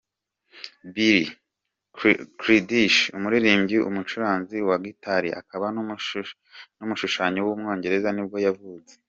Billy Childish, umuririmbyi, umucuranzi wa guitar, akaba n’umushushanyi w’umwongereza nibwo yavutse.